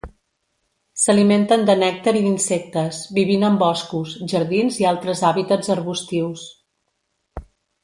S'alimenten de nèctar i d'insectes, vivint en boscos, jardins i altres hàbitats arbustius.